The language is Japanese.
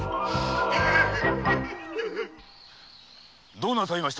どうなさいました？